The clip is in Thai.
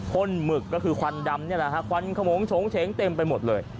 ้นหมึกก็คือควันดำนี่แหละฮะควันขมงโฉงเฉงเต็มไปหมดเลย